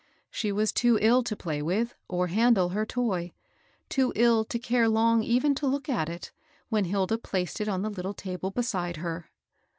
She was too ill to play with, or handle, her toy, — too ill to care long even to look at it, when Hilda placed it on the little table beside her.